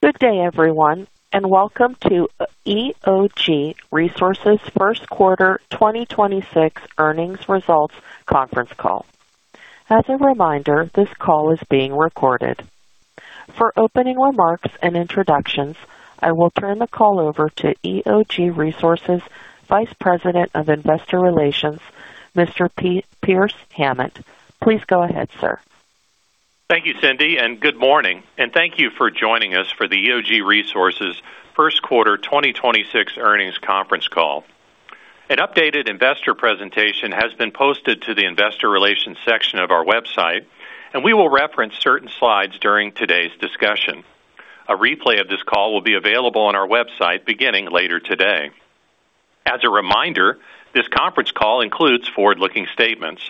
Good day, everyone, welcome to EOG Resources first quarter 2026 earnings results conference call. As a reminder, this call is being recorded. For opening remarks and introductions, I will turn the call over to EOG Resources Vice President of Investor Relations, Mr. Pearce Hammond. Please go ahead, sir. Thank you, Cindy. Good morning, and thank you for joining us for the EOG Resources first quarter 2026 earnings conference call. An updated investor presentation has been posted to the investor relations section of our website. We will reference certain slides during today's discussion. A replay of this call will be available on our website beginning later today. As a reminder, this conference call includes forward-looking statements.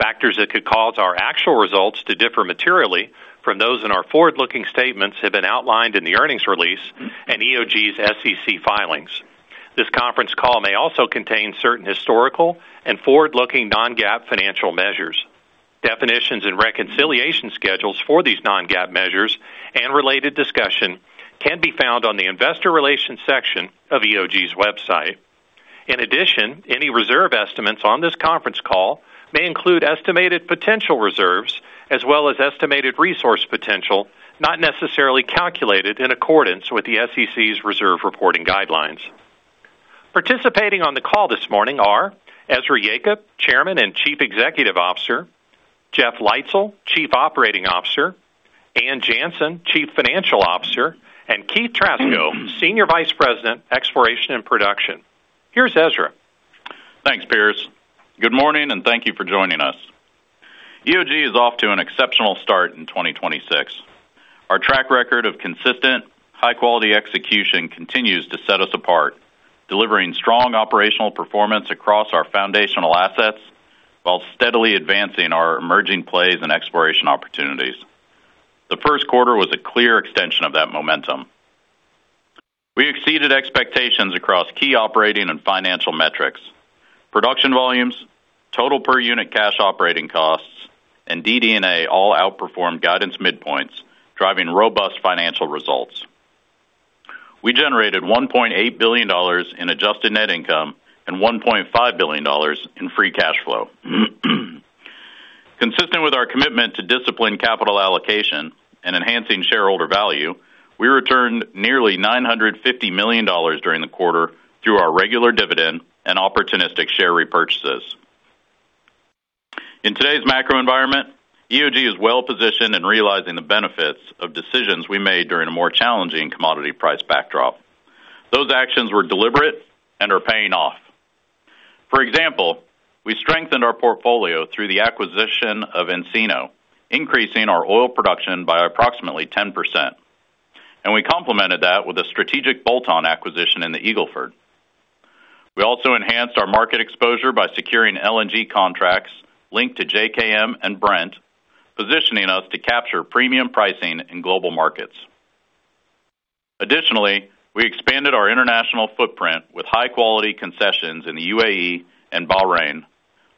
Factors that could cause our actual results to differ materially from those in our forward-looking statements have been outlined in the earnings release and EOG's SEC filings. This conference call may also contain certain historical and forward-looking non-GAAP financial measures. Definitions and reconciliation schedules for these non-GAAP measures and related discussion can be found on the investor relations section of EOG's website. In addition, any reserve estimates on this conference call may include estimated potential reserves as well as estimated resource potential, not necessarily calculated in accordance with the SEC's reserve reporting guidelines. Participating on the call this morning are Ezra Yacob, Chairman and Chief Executive Officer, Jeff Leitzell, Chief Operating Officer, Ann Janssen, Chief Financial Officer, and Keith Trasko, Senior Vice President, Exploration and Production. Here's Ezra. Thanks, Pearce. Good morning, and thank you for joining us. EOG is off to an exceptional start in 2026. Our track record of consistent high-quality execution continues to set us apart, delivering strong operational performance across our foundational assets while steadily advancing our emerging plays and exploration opportunities. The first quarter was a clear extension of that momentum. We exceeded expectations across key operating and financial metrics. Production volumes, total per unit cash operating costs, and DD&A all outperformed guidance midpoints, driving robust financial results. We generated $1.8 billion adjusted net income and $1.5 billion free cash flow. Consistent with our commitment to disciplined capital allocation and enhancing shareholder value, we returned nearly $950 million during the quarter through our regular dividend and opportunistic share repurchases. In today's macro environment, EOG is well-positioned in realizing the benefits of decisions we made during a more challenging commodity price backdrop. Those actions were deliberate and are paying off. For example, we strengthened our portfolio through the acquisition of Encino, increasing our oil production by approximately 10%, and we complemented that with a strategic bolt-on acquisition in the Eagle Ford. We also enhanced our market exposure by securing LNG contracts linked to JKM and Brent, positioning us to capture premium pricing in global markets. Additionally, we expanded our international footprint with high-quality concessions in the UAE and Bahrain,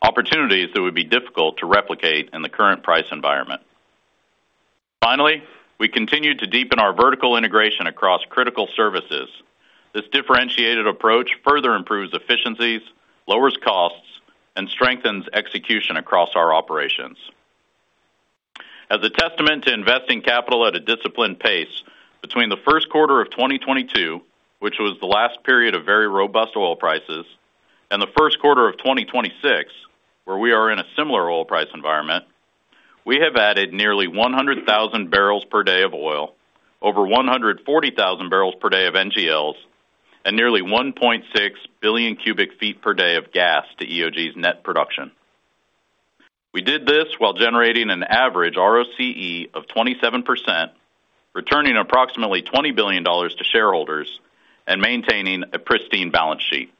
opportunities that would be difficult to replicate in the current price environment. Finally, we continued to deepen our vertical integration across critical services. This differentiated approach further improves efficiencies, lowers costs, and strengthens execution across our operations. As a testament to investing capital at a disciplined pace between the first quarter of 2022, which was the last period of very robust oil prices, and the first quarter of 2026, where we are in a similar oil price environment, we have added nearly 100,000 bbl per day of oil, over 140,000 bbl per day of NGLs, and nearly 1.6 billion cubic feet per day of gas to EOG's net production. We did this while generating an average ROCE of 27%, returning approximately $20 billion to shareholders and maintaining a pristine balance sheet.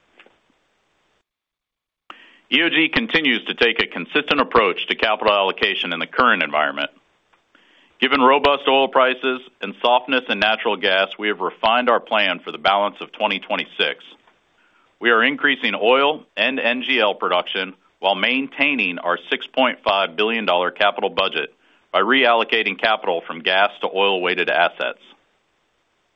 EOG continues to take a consistent approach to capital allocation in the current environment. Given robust oil prices and softness in natural gas, we have refined our plan for the balance of 2026. We are increasing oil and NGL production while maintaining our $6.5 billion capital budget by reallocating capital from gas to oil-weighted assets.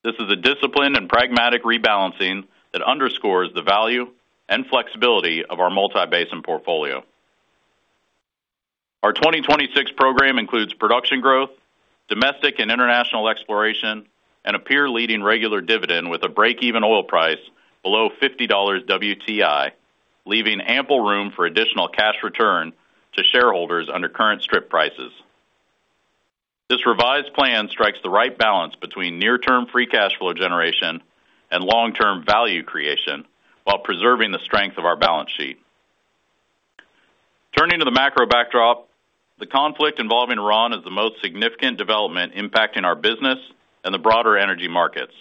This is a disciplined and pragmatic rebalancing that underscores the value and flexibility of our multi-basin portfolio. Our 2026 program includes production growth, domestic and international exploration, and a peer-leading regular dividend with a break-even oil price below $50 WTI, leaving ample room for additional cash return to shareholders under current strip prices. This revised plan strikes the right balance between near-term free cash flow generation and long-term value creation while preserving the strength of our balance sheet. Turning to the macro backdrop, the conflict involving Iran is the most significant development impacting our business and the broader energy markets.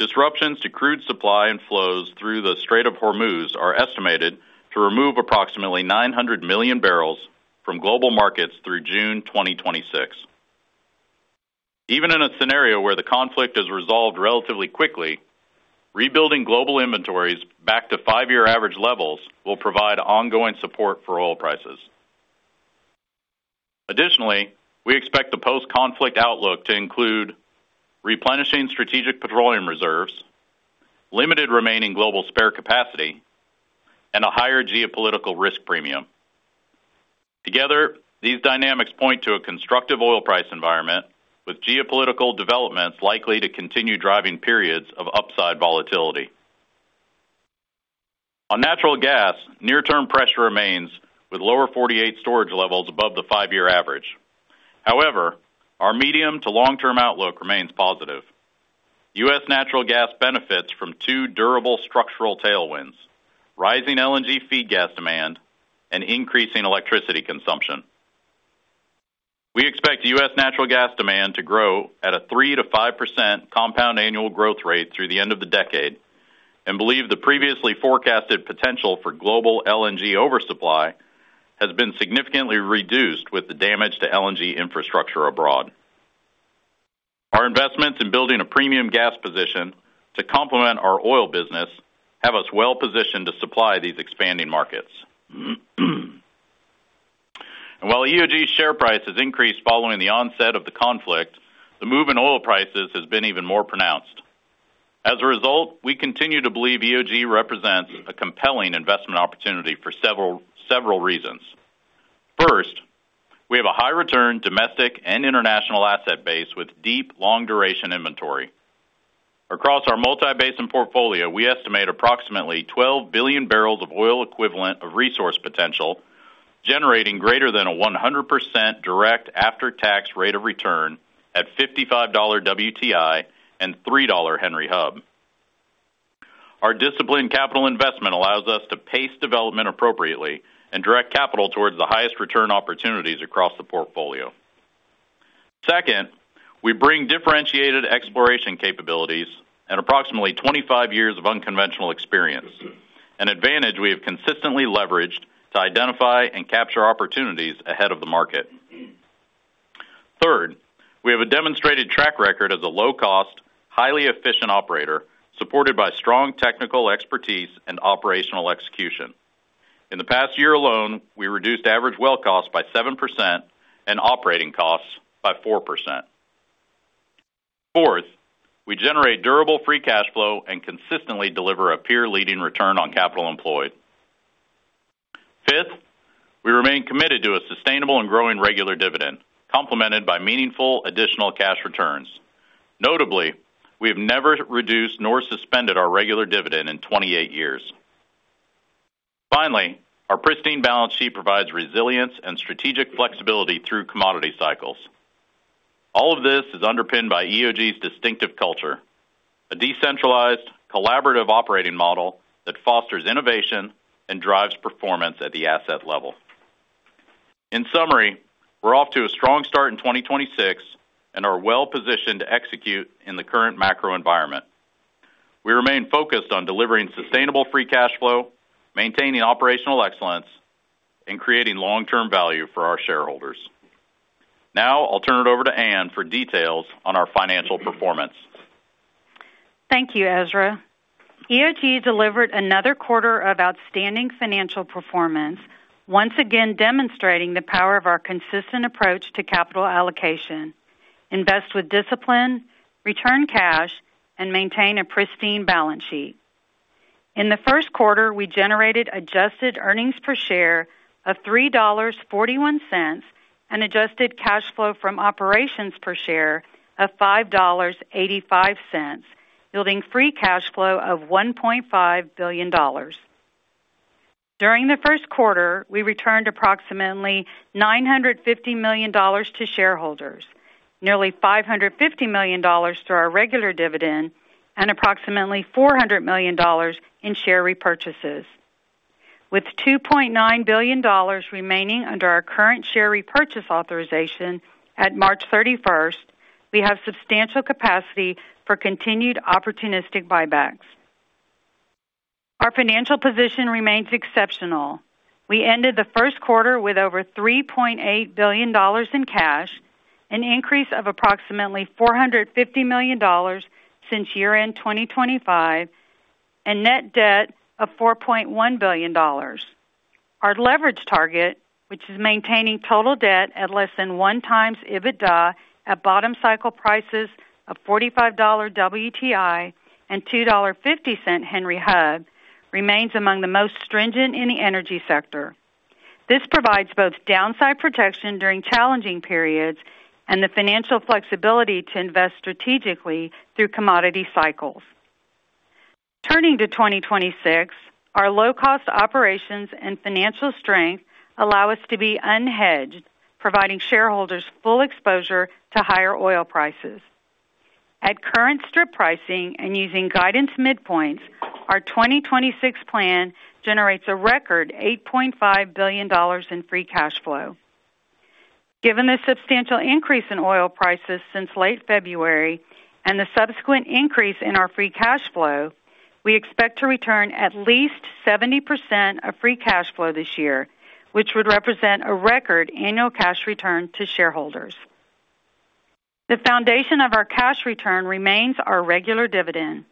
Disruptions to crude supply and flows through the Strait of Hormuz are estimated to remove approximately 900 million bbl from global markets through June 2026. Even in a scenario where the conflict is resolved relatively quickly, rebuilding global inventories back to five year average levels will provide ongoing support for oil prices. We expect the post-conflict outlook to include replenishing Strategic Petroleum Reserves, limited remaining global spare capacity, and a higher geopolitical risk premium. These dynamics point to a constructive oil price environment, with geopolitical developments likely to continue driving periods of upside volatility. Natural gas, near-term pressure remains with lower 48 storage levels above the five year average. Our medium to long-term outlook remains positive. U.S. natural gas benefits from two durable structural tailwinds, rising LNG feed gas demand and increasing electricity consumption. We expect U.S. natural gas demand to grow at a 3%-5% compound annual growth rate through the end of the decade and believe the previously forecasted potential for global LNG oversupply has been significantly reduced with the damage to LNG infrastructure abroad. Our investments in building a premium gas position to complement our oil business have us well positioned to supply these expanding markets. While EOG's share price has increased following the onset of the conflict, the move in oil prices has been even more pronounced. As a result, we continue to believe EOG represents a compelling investment opportunity for several reasons. First, we have a high return domestic and international asset base with deep, long-duration inventory. Across our multi basin portfolio, we estimate approximately 12 billion bbl of oil equivalent of resource potential, generating greater than a 100% direct after-tax rate of return at $55 WTI and $3 Henry Hub. Our disciplined capital investment allows us to pace development appropriately and direct capital towards the highest return opportunities across the portfolio. Second, we bring differentiated exploration capabilities and approximately 25 years of unconventional experience, an advantage we have consistently leveraged to identify and capture opportunities ahead of the market. Third, we have a demonstrated track record as a low-cost, highly efficient operator, supported by strong technical expertise and operational execution. In the past year alone, we reduced average well costs by 7% and operating costs by 4%. Fourth, we generate durable free cash flow and consistently deliver a peer-leading return on capital employed. Fifth, we remain committed to a sustainable and growing regular dividend, complemented by meaningful additional cash returns. Notably, we have never reduced nor suspended our regular dividend in 28 years. Finally, our pristine balance sheet provides resilience and strategic flexibility through commodity cycles. All of this is underpinned by EOG's distinctive culture, a decentralized, collaborative operating model that fosters innovation and drives performance at the asset level. In summary, we're off to a strong start in 2026 and are well positioned to execute in the current macro environment. We remain focused on delivering sustainable free cash flow, maintaining operational excellence, and creating long-term value for our shareholders. Now, I'll turn it over to Ann for details on our financial performance. Thank you, Ezra. EOG delivered another quarter of outstanding financial performance, once again demonstrating the power of our consistent approach to capital allocation, invest with discipline, return cash, and maintain a pristine balance sheet. In the first quarter, we generated adjusted earnings per share of $3.41 and adjusted cash flow from operations per share of $5.85, yielding free cash flow of $1.5 billion. During the first quarter, we returned approximately $950 million to shareholders, nearly $550 million to our regular dividend, and approximately $400 million in share repurchases. With $2.9 billion remaining under our current share repurchase authorization at March 31st, we have substantial capacity for continued opportunistic buybacks. Our financial position remains exceptional. We ended the first quarter with over $3.8 billion in cash, an increase of approximately $450 million since year-end 2025, and net debt of $4.1 billion. Our leverage target, which is maintaining total debt at less than 1x EBITDA at bottom cycle prices of $45 WTI and $2.50 Henry Hub, remains among the most stringent in the energy sector. This provides both downside protection during challenging periods and the financial flexibility to invest strategically through commodity cycles. Turning to 2026, our low-cost operations and financial strength allow us to be unhedged, providing shareholders full exposure to higher oil prices. At current strip pricing and using guidance midpoints, our 2026 plan generates a record $8.5 billion in free cash flow. Given the substantial increase in oil prices since late February and the subsequent increase in our free cash flow, we expect to return at least 70% of free cash flow this year, which would represent a record annual cash return to shareholders. The foundation of our cash return remains our regular dividend.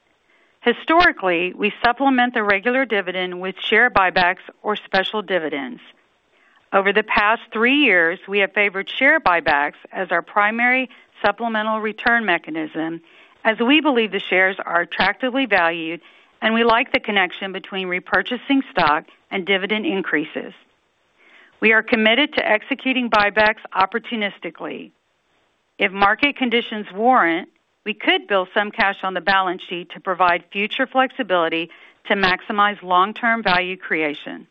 Historically, we supplement the regular dividend with share buybacks or special dividends. Over the past three years, we have favored share buybacks as our primary supplemental return mechanism, as we believe the shares are attractively valued, and we like the connection between repurchasing stock and dividend increases. We are committed to executing buybacks opportunistically. If market conditions warrant, we could build some cash on the balance sheet to provide future flexibility to maximize long-term value creation.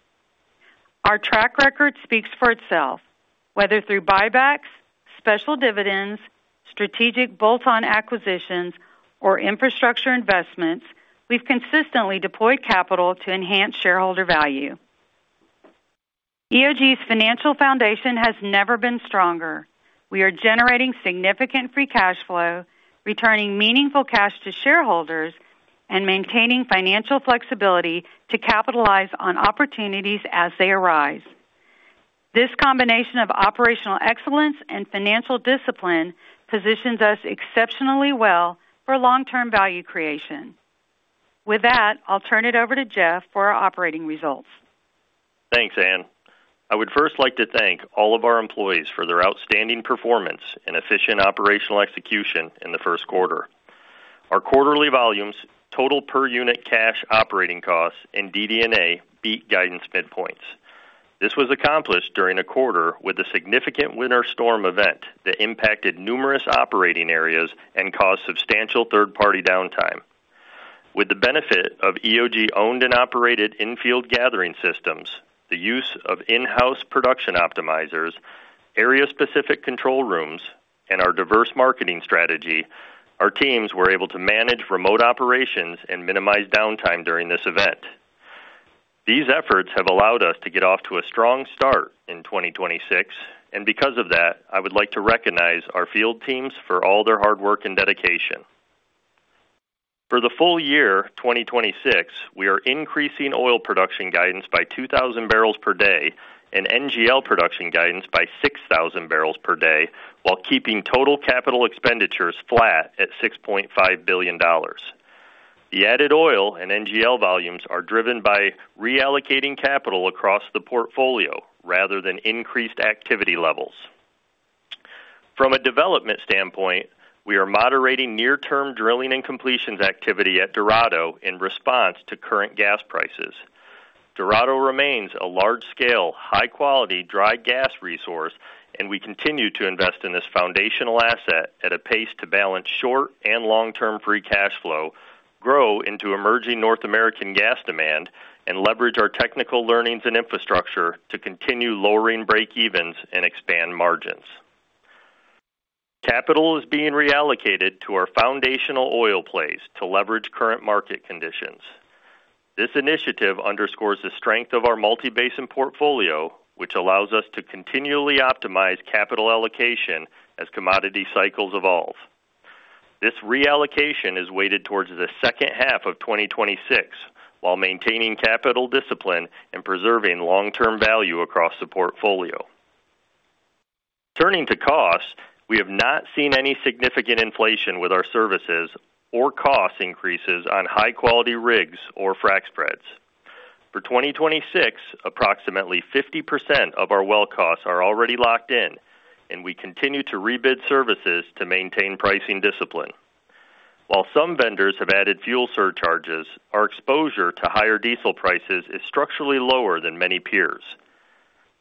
Our track record speaks for itself. Whether through buybacks, special dividends, strategic bolt-on acquisitions, or infrastructure investments, we've consistently deployed capital to enhance shareholder value. EOG's financial foundation has never been stronger. We are generating significant free cash flow, returning meaningful cash to shareholders, and maintaining financial flexibility to capitalize on opportunities as they arise. This combination of operational excellence and financial discipline positions us exceptionally well for long-term value creation. With that, I'll turn it over to Jeff for our operating results. Thanks, Ann. I would first like to thank all of our employees for their outstanding performance and efficient operational execution in the first quarter. Our quarterly volumes, total per-unit cash operating costs, and DD&A beat guidance midpoints. This was accomplished during a quarter with a significant winter storm event that impacted numerous operating areas and caused substantial third-party downtime. With the benefit of EOG-owned and operated in-field gathering systems, the use of in-house production optimizers, area-specific control rooms, and our diverse marketing strategy, our teams were able to manage remote operations and minimize downtime during this event. These efforts have allowed us to get off to a strong start in 2026, and because of that, I would like to recognize our field teams for all their hard work and dedication. For the full year 2026, we are increasing oil production guidance by 2,000 bbl per day and NGL production guidance by 6,000 bbl per day while keeping total capital expenditures flat at $6.5 billion. The added oil and NGL volumes are driven by reallocating capital across the portfolio rather than increased activity levels. From a development standpoint, we are moderating near-term drilling and completions activity at Dorado in response to current gas prices. Dorado remains a large-scale, high-quality dry gas resource, and we continue to invest in this foundational asset at a pace to balance short- and long-term free cash flow, grow into emerging North American gas demand, and leverage our technical learnings and infrastructure to continue lowering breakevens and expand margins. Capital is being reallocated to our foundational oil plays to leverage current market conditions. This initiative underscores the strength of our multi-basin portfolio, which allows us to continually optimize capital allocation as commodity cycles evolve. This reallocation is weighted towards the second half of 2026, while maintaining capital discipline and preserving long-term value across the portfolio. Turning to costs, we have not seen any significant inflation with our services or cost increases on high-quality rigs or frac spreads. For 2026, approximately 50% of our well costs are already locked in, and we continue to rebid services to maintain pricing discipline. While some vendors have added fuel surcharges, our exposure to higher diesel prices is structurally lower than many peers.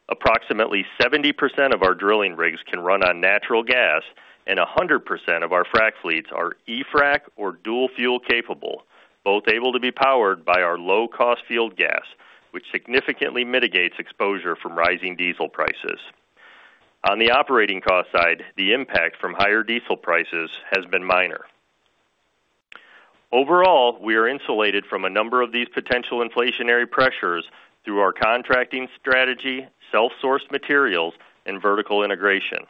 Approximately 70% of our drilling rigs can run on natural gas, and 100% of our frac fleets are e-frac or dual fuel capable, both able to be powered by our low-cost field gas, which significantly mitigates exposure from rising diesel prices. On the operating cost side, the impact from higher diesel prices has been minor. Overall, we are insulated from a number of these potential inflationary pressures through our contracting strategy, self-sourced materials, and vertical integration.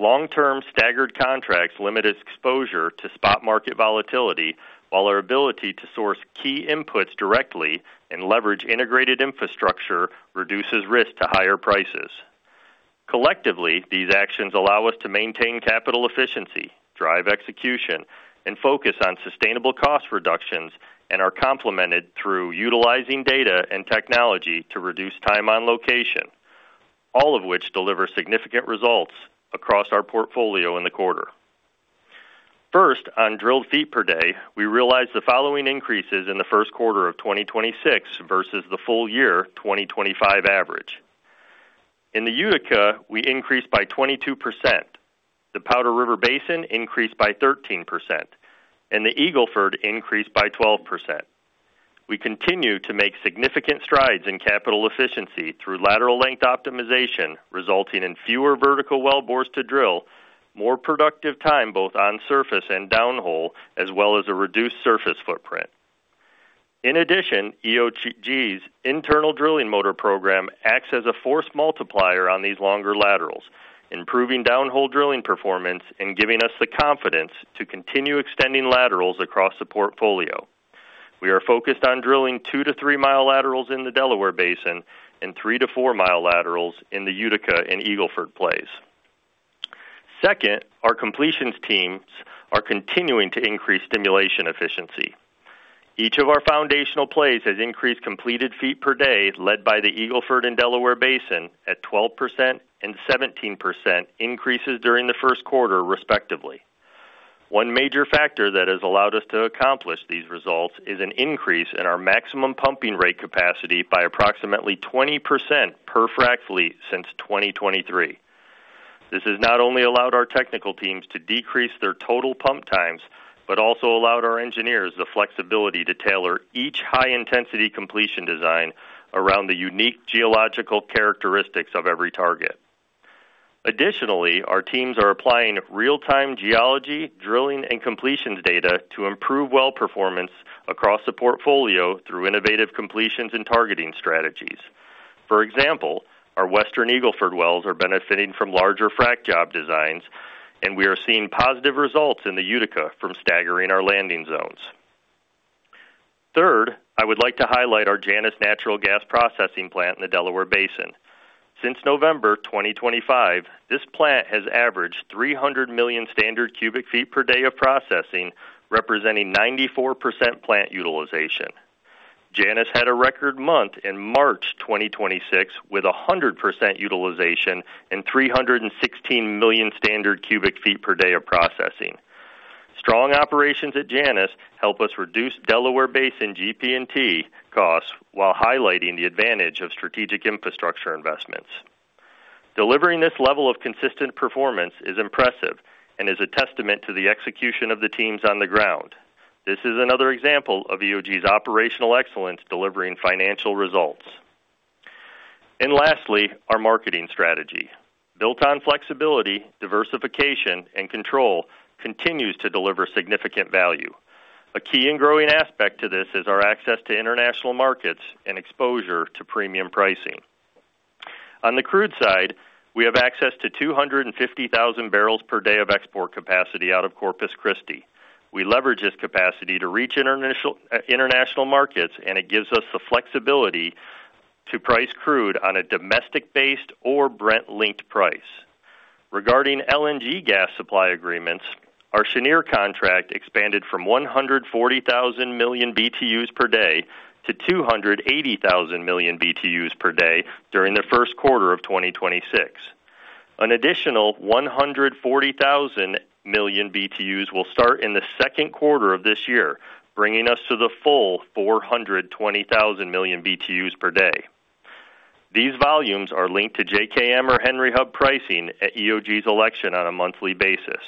Long-term staggered contracts limit its exposure to spot market volatility, while our ability to source key inputs directly and leverage integrated infrastructure reduces risk to higher prices. Collectively, these actions allow us to maintain capital efficiency, drive execution, and focus on sustainable cost reductions, and are complemented through utilizing data and technology to reduce time on location, all of which deliver significant results across our portfolio in the quarter. First, on drilled feet per day, we realized the following increases in the first quarter of 2026 versus the full year 2025 average. In the Utica, we increased by 22%, the Powder River Basin increased by 13%, and the Eagle Ford increased by 12%. We continue to make significant strides in capital efficiency through lateral length optimization, resulting in fewer vertical wellbores to drill, more productive time both on surface and downhole, as well as a reduced surface footprint. In addition, EOG's internal drilling motor program acts as a force multiplier on these longer laterals, improving downhole drilling performance and giving us the confidence to continue extending laterals across the portfolio. We are focused on drilling 2 mi to 3 mi laterals in the Delaware Basin and 3 mi to 4 mi laterals in the Utica and Eagle Ford plays. Second, our completions teams are continuing to increase stimulation efficiency. Each of our foundational plays has increased completed feet per day, led by the Eagle Ford and Delaware Basin at 12% and 17% increases during the first quarter respectively. One major factor that has allowed us to accomplish these results is an increase in our maximum pumping rate capacity by approximately 20% per frac fleet since 2023. This has not only allowed our technical teams to decrease their total pump times, but also allowed our engineers the flexibility to tailor each high-intensity completion design around the unique geological characteristics of every target. Additionally, our teams are applying real-time geology, drilling, and completions data to improve well performance across the portfolio through innovative completions and targeting strategies. For example, our Western Eagle Ford wells are benefiting from larger frac job designs, and we are seeing positive results in the Utica from staggering our landing zones. Third, I would like to highlight our Janus Natural Gas processing plant in the Delaware Basin. Since November 2025, this plant has averaged 300 million standard cubic feet per day of processing, representing 94% plant utilization. Janus had a record month in March 2026, with 100% utilization and 316 million standard cubic feet per day of processing. Strong operations at Janus help us reduce Delaware Basin GP&T costs while highlighting the advantage of strategic infrastructure investments. Delivering this level of consistent performance is impressive and is a testament to the execution of the teams on the ground. This is another example of EOG's operational excellence delivering financial results. Lastly, our marketing strategy, built on flexibility, diversification, and control, continues to deliver significant value. A key and growing aspect to this is our access to international markets and exposure to premium pricing. On the crude side, we have access to 250,000 bbl per day of export capacity out of Corpus Christi. We leverage this capacity to reach international markets, and it gives us the flexibility to price crude on a domestic-based or Brent-linked price. Regarding LNG gas supply agreements, our Cheniere contract expanded from 140,000 MMBtu per day to 280,000 MMBtu per day during the first quarter of 2026. An additional 140,000 MMBtu will start in the second quarter of this year, bringing us to the full 420,000 MMBtu per day. These volumes are linked to JKM or Henry Hub pricing at EOG's election on a monthly basis.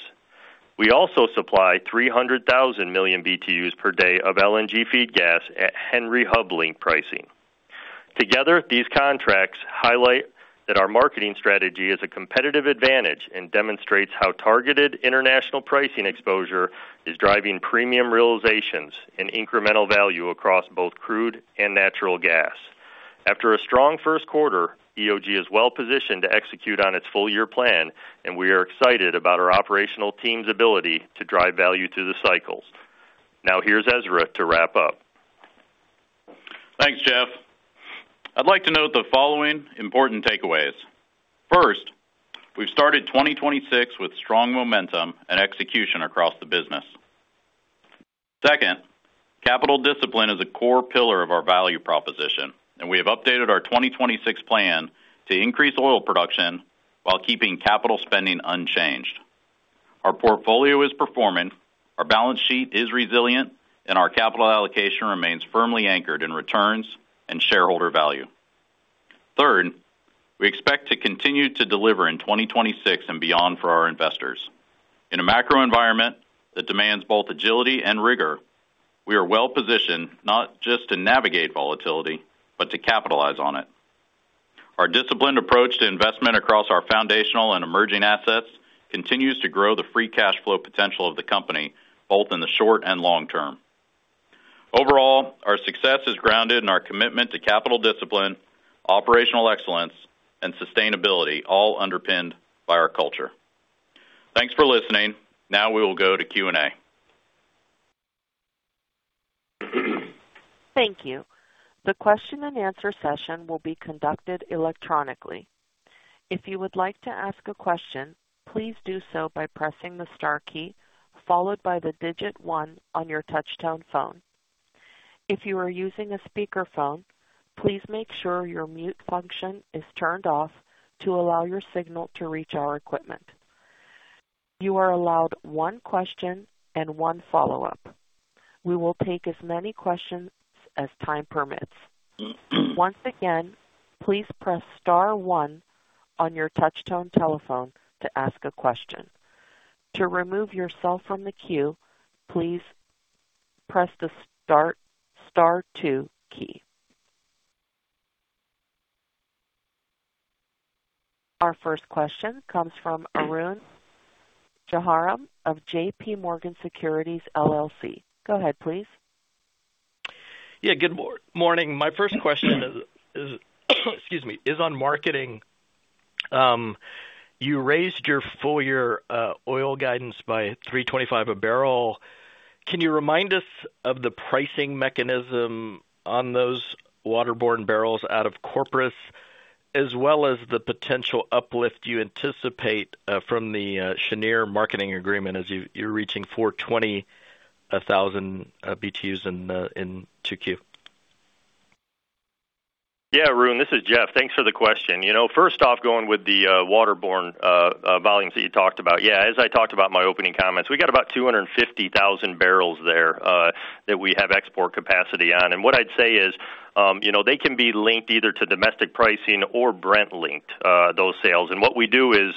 We also supply 300,000 MMBtu per day of LNG feed gas at Henry Hub link pricing. Together, these contracts highlight that our marketing strategy is a competitive advantage and demonstrates how targeted international pricing exposure is driving premium realizations and incremental value across both crude and natural gas. After a strong first quarter, EOG is well-positioned to execute on its full-year plan, and we are excited about our operational team's ability to drive value through the cycles. Now here's Ezra to wrap up. Thanks, Jeff. I'd like to note the following important takeaways. First, we've started 2026 with strong momentum and execution across the business. Second, capital discipline is a core pillar of our value proposition, and we have updated our 2026 plan to increase oil production while keeping capital spending unchanged. Our portfolio is performing, our balance sheet is resilient, and our capital allocation remains firmly anchored in returns and shareholder value. Third, we expect to continue to deliver in 2026 and beyond for our investors. In a macro environment that demands both agility and rigor, we are well-positioned not just to navigate volatility but to capitalize on it. Our disciplined approach to investment across our foundational and emerging assets continues to grow the free cash flow potential of the company, both in the short and long term. Overall, our success is grounded in our commitment to capital discipline, operational excellence, and sustainability, all underpinned by our culture. Thanks for listening. Now we will go to Q&A. Thank you. The question and answer session will be conducted electronically. If you would like to ask a question, please do so by pressing the star key followed by the digit 1 on your touchtone phone. If you are using a speakerphone, please make sure your mute function is turned off to allow your signal to reach our equipment. You are allowed one question and one follow-up. We will take as many questions as time permits. Once again, please press star one on your touchtone telephone to ask a question. To remove yourself from the queue, please press the star two key. Our first question comes from Arun Jayaram of J.P. Morgan Securities LLC. Go ahead, please. Good morning. My first question is, excuse me, is on marketing. You raised your full year oil guidance by $3.25 a barrel. Can you remind us of the pricing mechanism on those waterborne barrels out of Corpus, as well as the potential uplift you anticipate from the Cheniere marketing agreement as you're reaching 420,000 BTUs in 2Q? Yeah, Arun, this is Jeff. Thanks for the question. You know, first off, going with the waterborne volumes that you talked about. Yeah, as I talked about in my opening comments, we got about 250,000 bbl there that we have export capacity on. What I'd say is, you know, they can be linked either to domestic pricing or Brent-linked, those sales. What we do is,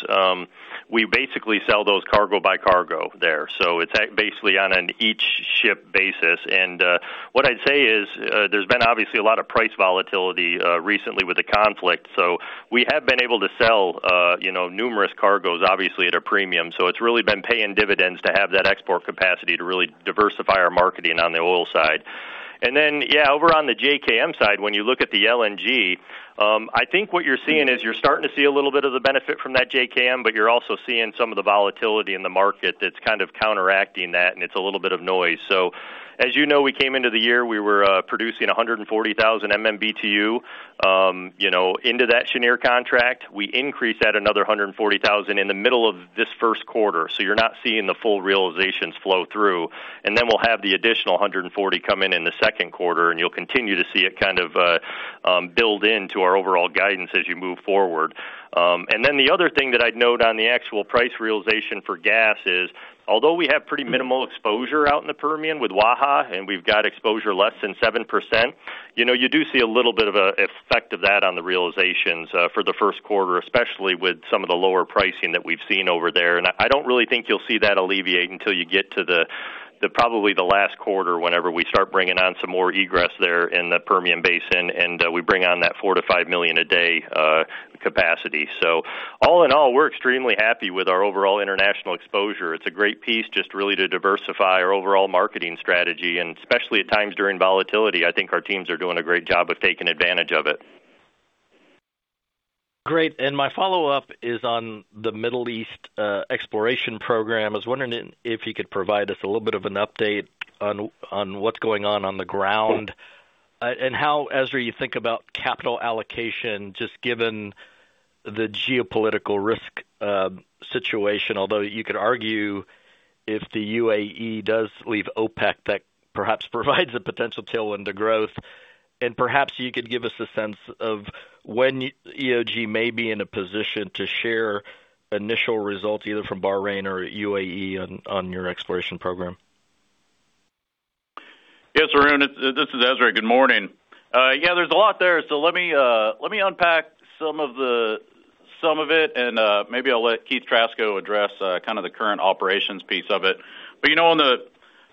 we basically sell those cargo by cargo there. It's basically on an each ship basis. What I'd say is, there's been obviously a lot of price volatility recently with the conflict. We have been able to sell, you know, numerous cargoes, obviously at a premium. It's really been paying dividends to have that export capacity to really diversify our marketing on the oil side. Over on the JKM side, when you look at the LNG, I think what you're seeing is you're starting to see a little bit of the benefit from that JKM, but you're also seeing some of the volatility in the market that's kind of counteracting that, and it's a little bit of noise. As you know, we came into the year, we were producing 140,000 MMBtu, you know, into that Cheniere contract. We increased that another 140,000 MMBtu in the middle of this first quarter. You're not seeing the full realizations flow through. Then we'll have the additional 140 come in in the second quarter, and you'll continue to see it kind of build into our overall guidance as you move forward. Then the other thing that I'd note on the actual price realization for gas is, although we have pretty minimal exposure out in the Permian with Waha, and we've got exposure less than 7%, you know, you do see a little bit of an effect of that on the realizations for the first quarter, especially with some of the lower pricing that we've seen over there. I don't really think you'll see that alleviate until you get to the probably the last quarter whenever we start bringing on some more egress there in the Permian Basin, we bring on that 4 million-5 million a day capacity. All in all, we're extremely happy with our overall international exposure. It's a great piece just really to diversify our overall marketing strategy. Especially at times during volatility, I think our teams are doing a great job of taking advantage of it. Great. My follow-up is on the Middle East exploration program. I was wondering if you could provide us a little bit of an update on what's going on the ground and how, Ezra, you think about capital allocation, just given the geopolitical risk situation. Although you could argue if the UAE does leave OPEC, that perhaps provides a potential tailwind to growth. Perhaps you could give us a sense of when EOG may be in a position to share initial results, either from Bahrain or UAE on your exploration program. Yes, Arun, this is Ezra. Good morning. Yeah, there's a lot there. Let me unpack some of it, maybe I'll let Keith Trasko address kind of the current operations piece of it. You know,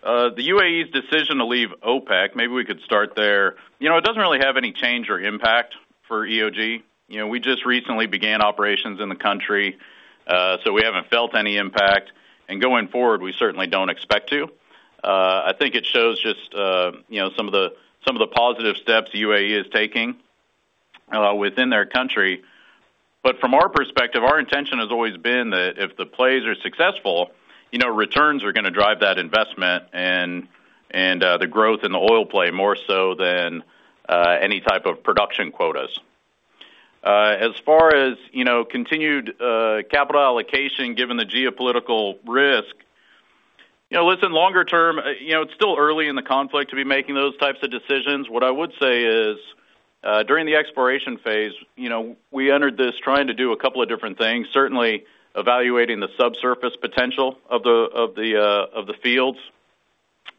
on the UAE's decision to leave OPEC, maybe we could start there. You know, it doesn't really have any change or impact for EOG. You know, we just recently began operations in the country, we haven't felt any impact. Going forward, we certainly don't expect to. I think it shows just, you know, some of the positive steps the UAE is taking within their country. From our perspective, our intention has always been that if the plays are successful, you know, returns are gonna drive that investment and the growth in the oil play more so than any type of production quotas. As far as, you know, continued capital allocation, given the geopolitical risk, you know, listen, longer term, you know, it's still early in the conflict to be making those types of decisions. What I would say is, during the exploration phase, you know, we entered this trying to do a couple of different things, certainly evaluating the subsurface potential of the fields.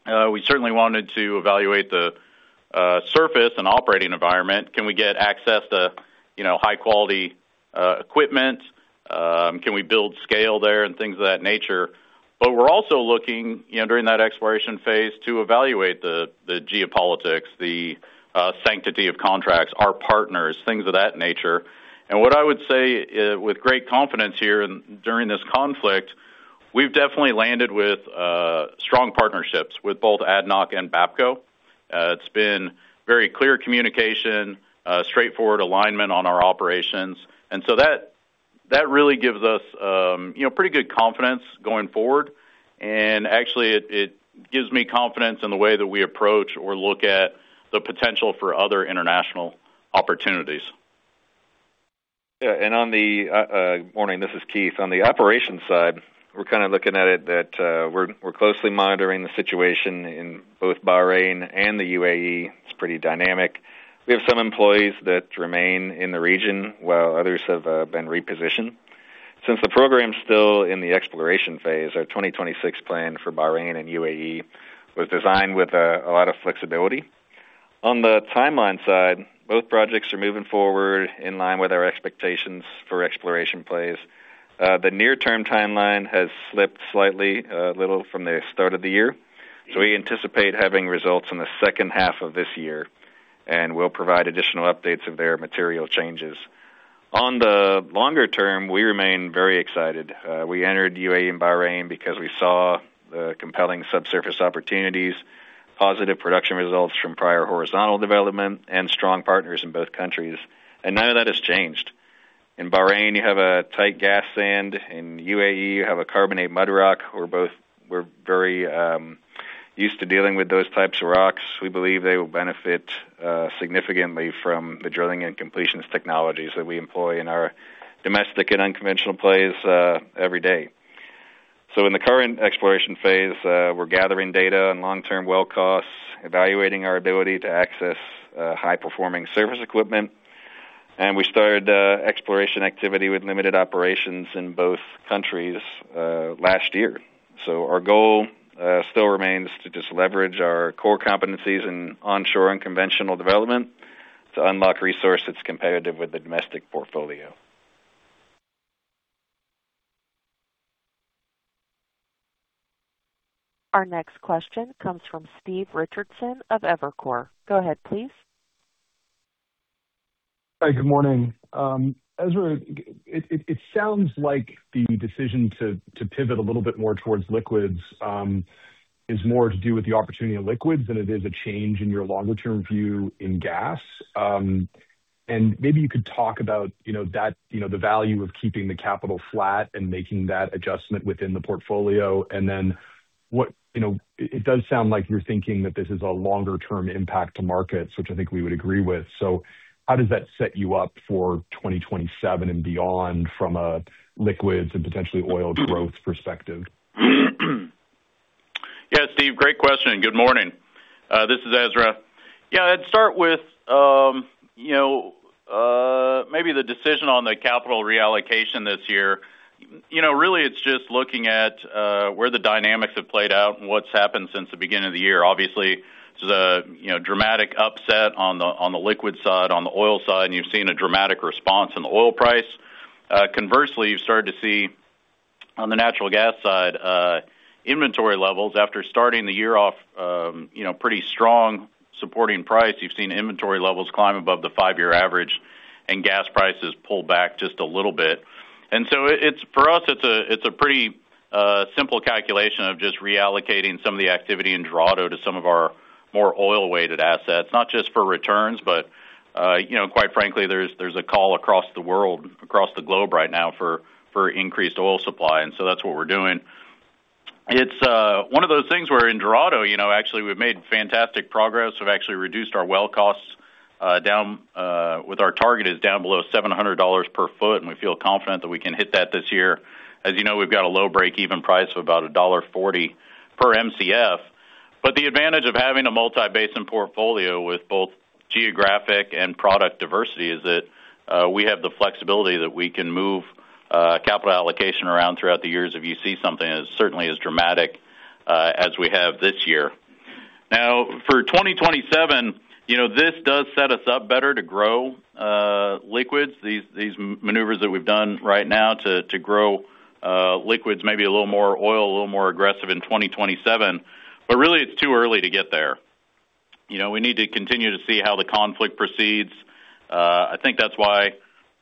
We certainly wanted to evaluate the surface and operating environment. Can we get access to, you know, high-quality equipment? Can we build scale there, and things of that nature. We're also looking, you know, during that exploration phase to evaluate the geopolitics, the sanctity of contracts, our partners, things of that nature. What I would say, with great confidence here during this conflict, we've definitely landed with strong partnerships with both ADNOC and BAPCO. It's been very clear communication, straightforward alignment on our operations. That, that really gives us, you know, pretty good confidence going forward. Actually, it gives me confidence in the way that we approach or look at the potential for other international opportunities. Morning, this is Keith. On the operations side, we're kind of looking at it that we're closely monitoring the situation in both Bahrain and the UAE. It's pretty dynamic. We have some employees that remain in the region, while others have been repositioned. Since the program's still in the exploration phase, our 2026 plan for Bahrain and UAE was designed with a lot of flexibility. On the timeline side, both projects are moving forward in line with our expectations for exploration plays. The near-term timeline has slipped slightly, a little from the start of the year. We anticipate having results in the second half of this year, and we'll provide additional updates if there are material changes. On the longer term, we remain very excited. We entered UAE and Bahrain because we saw compelling subsurface opportunities. Positive production results from prior horizontal development and strong partners in both countries. None of that has changed. In Bahrain, you have a tight gas sand. In UAE, you have a carbonate mudrock. We're very used to dealing with those types of rocks. We believe they will benefit significantly from the drilling and completions technologies that we employ in our domestic and unconventional plays every day. In the current exploration phase, we're gathering data on long-term well costs, evaluating our ability to access high-performing service equipment. We started exploration activity with limited operations in both countries last year. Our goal still remains to just leverage our core competencies in onshore and conventional development to unlock resource that's competitive with the domestic portfolio. Our next question comes from Steve Richardson of Evercore. Go ahead, please. Hi. Good morning. Ezra, it sounds like the decision to pivot a little bit more towards liquids is more to do with the opportunity of liquids than it is a change in your longer-term view in gas. Maybe you could talk about, you know, that, you know, the value of keeping the capital flat and making that adjustment within the portfolio. You know, it does sound like you're thinking that this is a longer-term impact to markets, which I think we would agree with. How does that set you up for 2027 and beyond from a liquids and potentially oil growth perspective? Yeah, Stephen, great question. Good morning. This is Ezra. Yeah, I'd start with, you know, maybe the decision on the capital reallocation this year. You know, really it's just looking at where the dynamics have played out and what's happened since the beginning of the year. Obviously, there's a, you know, dramatic upset on the, on the liquid side, on the oil side, and you've seen a dramatic response in the oil price. Conversely, you've started to see on the natural gas side, inventory levels after starting the year off, you know, pretty strong supporting price. You've seen inventory levels climb above the five-year average and gas prices pull back just a little bit. It's for us, it's a, it's a pretty simple calculation of just reallocating some of the activity in Dorado to some of our more oil-weighted assets, not just for returns, but, you know, quite frankly, there's a call across the world, across the globe right now for increased oil supply. That's what we're doing. It's one of those things where in Dorado, you know, actually we've made fantastic progress. We've actually reduced our well costs down with our target is down below $700 per foot, and we feel confident that we can hit that this year. As you know, we've got a low break-even price of about $1.40 per Mcf. The advantage of having a multi-basin portfolio with both geographic and product diversity is that we have the flexibility that we can move capital allocation around throughout the years if you see something as certainly as dramatic as we have this year. Now, for 2027, you know, this does set us up better to grow liquids. These maneuvers that we've done right now to grow liquids, maybe a little more oil, a little more aggressive in 2027, but really it's too early to get there. You know, we need to continue to see how the conflict proceeds. I think that's why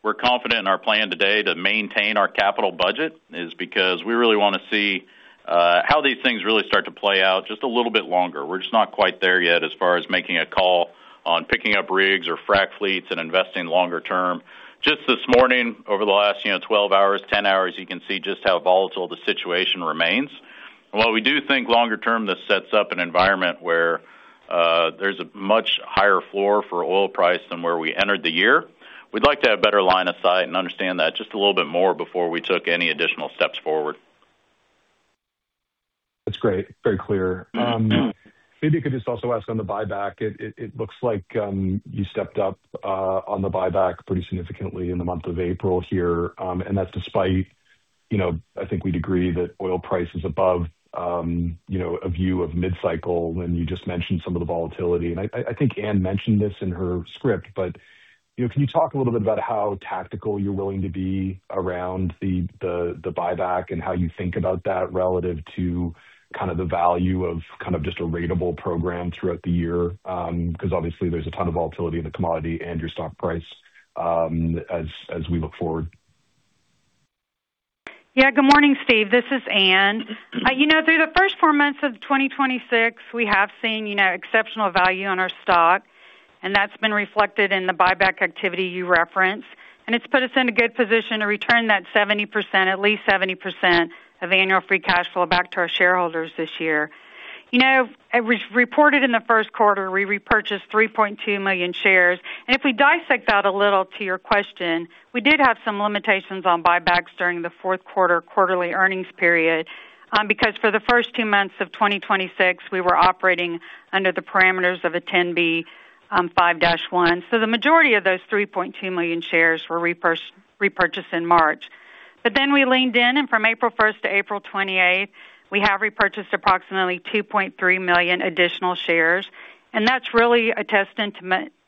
we're confident in our plan today to maintain our capital budget, is because we really wanna see how these things really start to play out just a little bit longer. We're just not quite there yet as far as making a call on picking up rigs or frack fleets and investing longer term. Just this morning, over the last, you know, 12 hours, 10 hours, you can see just how volatile the situation remains. While we do think longer term, this sets up an environment where there's a much higher floor for oil price than where we entered the year. We'd like to have better line of sight and understand that just a little bit more before we took any additional steps forward. That's great. Very clear. Maybe you could just also ask on the buyback. It looks like you stepped up on the buyback pretty significantly in the month of April here. That's despite, you know, I think we'd agree that oil price is above, you know, a view of mid-cycle when you just mentioned some of the volatility. I think Ann mentioned this in her script, but, you know, can you talk a little bit about how tactical you're willing to be around the buyback and how you think about that relative to kind of the value of kind of just a ratable program throughout the year? Because obviously there's a ton of volatility in the commodity and your stock price as we look forward. Good morning, Steve. This is Ann. You know, through the first four months of 2026, we have seen, you know, exceptional value on our stock. That's been reflected in the buyback activity you referenced. It's put us in a good position to return that 70%, at least 70% of annual free cash flow back to our shareholders this year. You know, as we reported in the first quarter, we repurchased 3.2 million shares. If we dissect that a little to your question, we did have some limitations on buybacks during the fourth quarter quarterly earnings period, because for the first two months of 2026, we were operating under the parameters of a Rule 10b5-1. The majority of those 3.2 million shares were repurchased in March. We leaned in, and from April 1st to April 28th, we have repurchased approximately 2.3 million additional shares. That's really a testament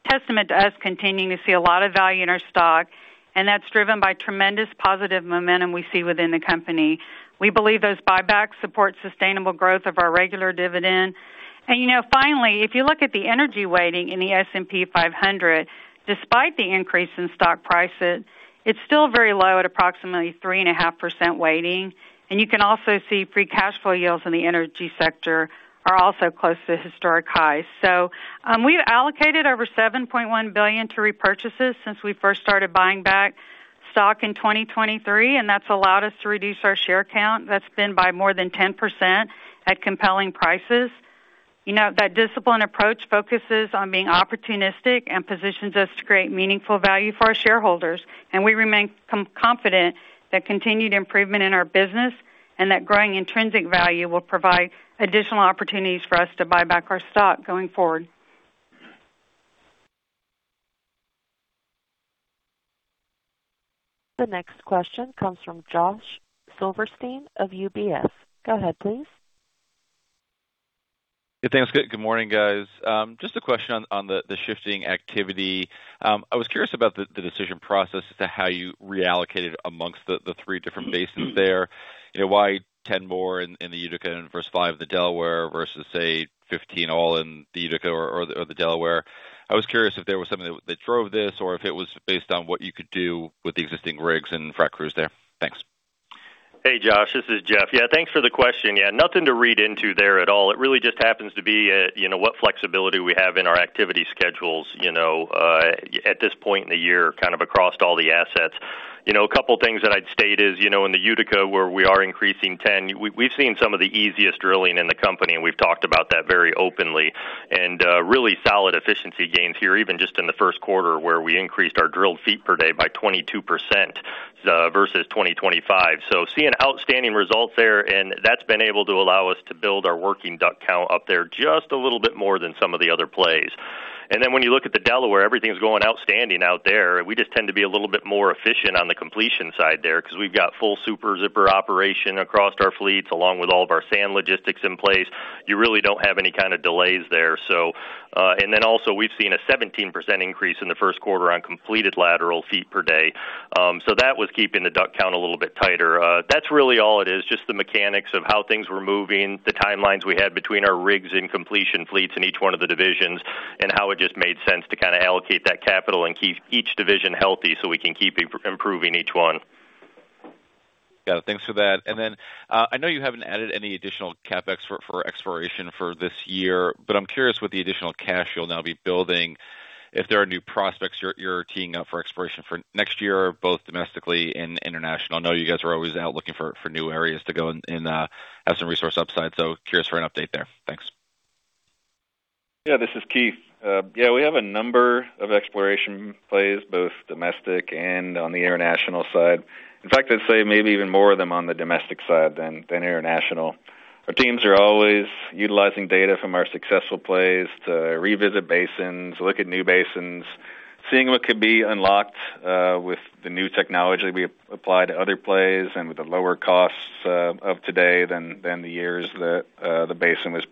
to us continuing to see a lot of value in our stock. That's driven by tremendous positive momentum we see within the company. We believe those buybacks support sustainable growth of our regular dividend. If you look at the energy weighting in the S&P 500, despite the increase in stock prices, it's still very low at approximately 3.5% weighting. You can also see free cash flow yields in the energy sector are also close to historic highs. We've allocated over $7.1 billion to repurchases since we first started buying back stock in 2023, and that's allowed us to reduce our share count. That's been by more than 10% at compelling prices. You know, that disciplined approach focuses on being opportunistic and positions us to create meaningful value for our shareholders. We remain confident that continued improvement in our business and that growing intrinsic value will provide additional opportunities for us to buy back our stock going forward. The next question comes from Josh Silverstein of UBS. Go ahead, please. Good morning, guys. Just a question on the shifting activity. I was curious about the decision process as to how you reallocated amongst the three different basins there. You know, why 10 more in the Utica versus five of the Delaware versus say 15 all in the Utica or the Delaware. I was curious if there was something that drove this or if it was based on what you could do with the existing rigs and frac crews there. Thanks. Hey, Josh, this is Jeff. Yeah, thanks for the question. Yeah, nothing to read into there at all. It really just happens to be, you know, what flexibility we have in our activity schedules, you know, at this point in the year, kind of across all the assets. You know, a couple of things that I'd state is, you know, in the Utica, where we are increasing 10, we've seen some of the easiest drilling in the company, and we've talked about that very openly. Really solid efficiency gains here, even just in the first quarter, where we increased our drilled feet per day by 22%, versus 2025. Seeing outstanding results there, and that's been able to allow us to build our working DUC count up there just a little bit more than some of the other plays. When you look at the Delaware, everything's going outstanding out there. We just tend to be a little bit more efficient on the completion side there because we've got full super zipper operation across our fleets, along with all of our sand logistics in place. You really don't have any kind of delays there. We've seen a 17% increase in the first quarter on completed lateral feet per day. That was keeping the DUC count a little bit tighter. That's really all it is, just the mechanics of how things were moving, the timelines we had between our rigs and completion fleets in each one of the divisions, and how it just made sense to kind of allocate that capital and keep each division healthy so we can keep improving each one. Got it. Thanks for that. Then, I know you haven't added any additional CapEx for exploration for this year, but I'm curious with the additional cash you'll now be building, if there are new prospects you're teeing up for exploration for next year, both domestically and international. I know you guys are always out looking for new areas to go and, have some resource upside. Curious for an update there. Thanks. This is Keith. We have a number of exploration plays, both domestic and on the international side. In fact, I'd say maybe even more of them on the domestic side than international. Our teams are always utilizing data from our successful plays to revisit basins, look at new basins, seeing what could be unlocked with the new technology we apply to other plays and with the lower costs of today than the years that the basin was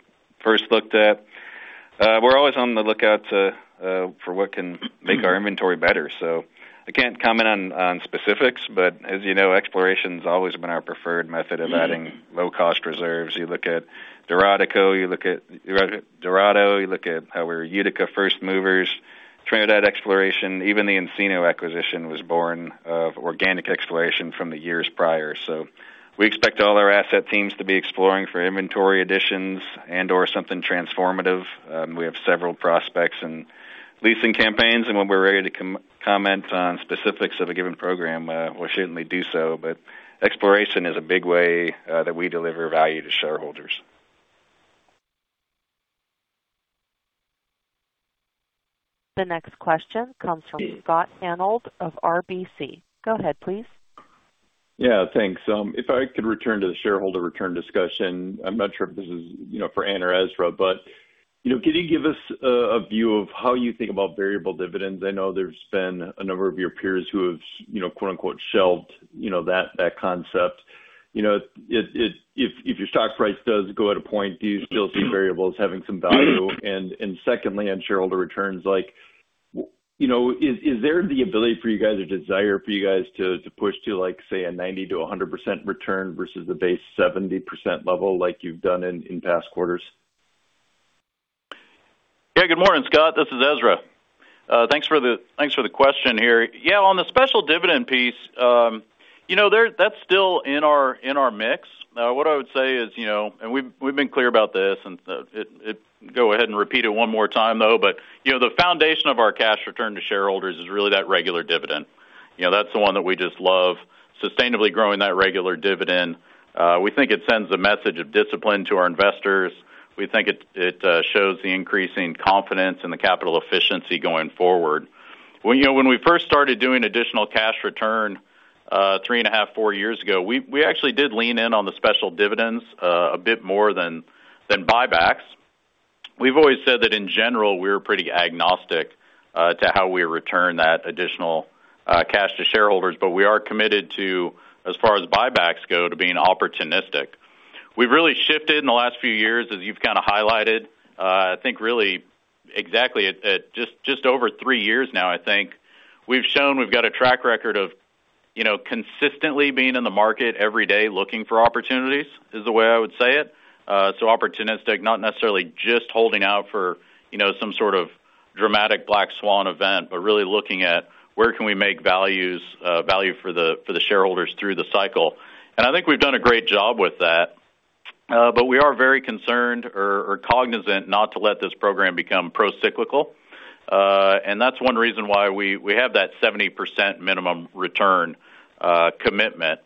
first looked at. We're always on the lookout to for what can make our inventory better. I can't comment on specifics, but as you know, exploration's always been our preferred method of adding low-cost reserves. You look at Dorado, you look at Dorado, you look at how we're Utica first movers, Trinidad exploration, even the Encino acquisition was born of organic exploration from the years prior. We expect all our asset teams to be exploring for inventory additions and/or something transformative. We have several prospects and leasing campaigns. When we're ready to comment on specifics of a given program, we'll certainly do so. Exploration is a big way that we deliver value to shareholders. The next question comes from Scott Hanold of RBC. Go ahead, please. Thanks. If I could return to the shareholder return discussion. I'm not sure if this is, you know, for Ann or Ezra, but, you know, can you give us a view of how you think about variable dividends? I know there's been a number of your peers who have, you know, quote-unquote, shelved, you know, that concept. You know, if your stock price does go at a point, do you still see variables having some value? And secondly, on shareholder returns, like, you know, is there the ability for you guys or desire for you guys to push to, like, say, a 90%-100% return versus the base 70% level like you've done in past quarters? Good morning, Scott. This is Ezra. Thanks for the question here. On the special dividend piece, you know, that's still in our mix. What I would say is, you know, and we've been clear about this, and go ahead and repeat it one more time, though. You know, the foundation of our cash return to shareholders is really that regular dividend. You know, that's the one that we just love, sustainably growing that regular dividend. We think it sends a message of discipline to our investors. We think it shows the increasing confidence in the capital efficiency going forward. Well, you know, when we first started doing additional cash return, 3.5 years, four years ago, we actually did lean in on the special dividends, a bit more than buybacks. We've always said that in general, we're pretty agnostic, to how we return that additional cash to shareholders, but we are committed to, as far as buybacks go, to being opportunistic. We've really shifted in the last few years, as you've kind of highlighted. I think really exactly at just over three years now, I think we've shown we've got a track record of, you know, consistently being in the market every day looking for opportunities, is the way I would say it. Opportunistic, not necessarily just holding out for, you know, some sort of dramatic black swan event, but really looking at where can we make value for the shareholders through the cycle. I think we've done a great job with that. We are very concerned or cognizant not to let this program become procyclical. That's one reason why we have that 70% minimum return commitment.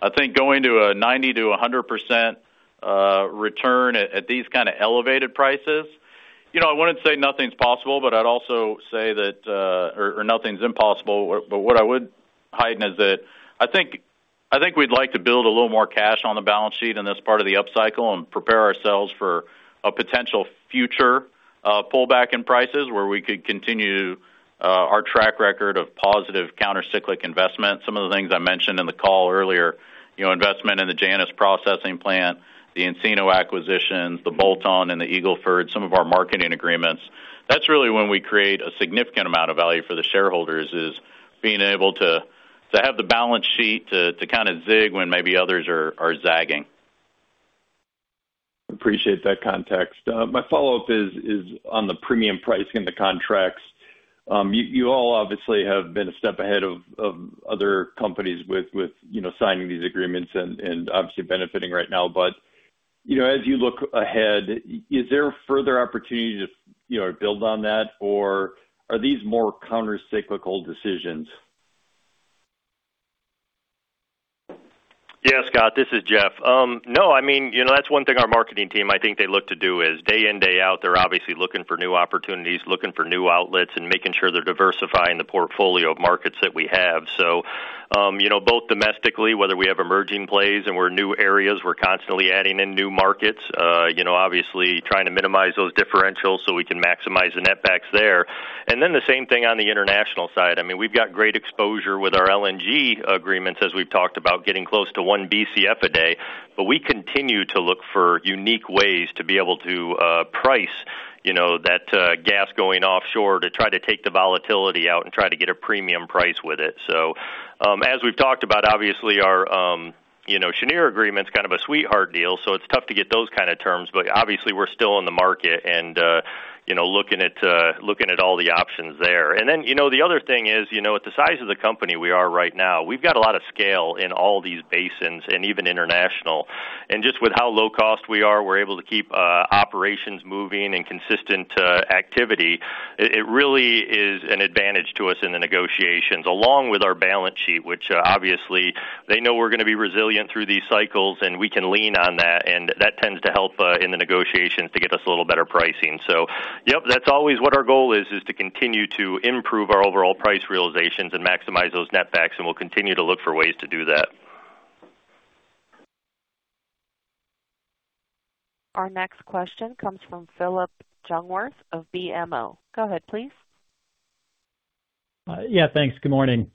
I think going to a 90%-100% return at these kind of elevated prices, you know, I wouldn't say nothing's possible, but I'd also say nothing's impossible. What I would highlight is that I think, I think we'd like to build a little more cash on the balance sheet in this part of the upcycle and prepare ourselves for a potential future pullback in prices where we could continue our track record of positive counter-cyclical investment. Some of the things I mentioned in the call earlier, you know, investment in the Janus Natural Gas processing plant, the Encino acquisitions, the bolt-on and the Eagle Ford, some of our marketing agreements. That's really when we create a significant amount of value for the shareholders, is being able to have the balance sheet to kind of zig when maybe others are zagging. Appreciate that context. My follow-up is on the premium pricing, the contracts. You all obviously have been a step ahead of other companies with, you know, signing these agreements and obviously benefiting right now. You know, as you look ahead, is there further opportunity to, you know, build on that, or are these more counter-cyclical decisions? Yeah, Scott, this is Jeff. No, I mean, you know, that's one thing our marketing team I think they look to do, is day in, day out, they're obviously looking for new opportunities, looking for new outlets, and making sure they're diversifying the portfolio of markets that we have. You know, both domestically, whether we have emerging plays and where new areas, we're constantly adding in new markets. You know, obviously trying to minimize those differentials so we can maximize the netbacks there. The same thing on the international side. I mean, we've got great exposure with our LNG agreements as we've talked about, getting close to 1 BCF a day. We continue to look for unique ways to be able to price, you know, that gas going offshore to try to take the volatility out and try to get a premium price with it. As we've talked about, obviously our, you know, Cheniere agreement's kind of a sweetheart deal, so it's tough to get those kind of terms. Obviously, we're still in the market and, you know, looking at all the options there. The other thing is, you know, with the size of the company we are right now, we've got a lot of scale in all these basins and even international. Just with how low cost we are, we're able to keep operations moving and consistent activity. It really is an advantage to us in the negotiations, along with our balance sheet, which obviously they know we're gonna be resilient through these cycles, and we can lean on that, and that tends to help in the negotiations to get us a little better pricing. Yep, that's always what our goal is to continue to improve our overall price realizations and maximize those netbacks, and we'll continue to look for ways to do that. Our next question comes from Phillip Jungwirth of BMO. Go ahead, please. Yeah, thanks. Good morning.